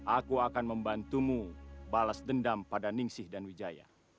aku akan membantumu balas dendam pada ningsih dan wijaya